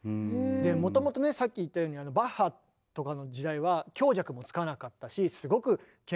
でもともとねさっき言ったようにバッハとかの時代は強弱もつかなかったしすごく鍵盤も狭かったんですね。